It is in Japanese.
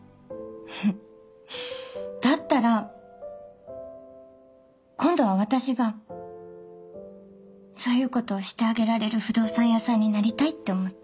だったら今度は私がそういうことをしてあげられる不動産屋さんになりたいって思って。